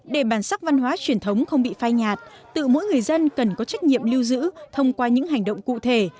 để bản sắc văn hóa truyền thống không bị phai nhạt tự mỗi người dân cần có trách nhiệm lưu giữ thông qua những hành động cụ thể